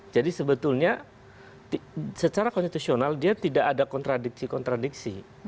jadi sebetulnya secara konstitusional dia tidak ada kontradiksi kontradiksi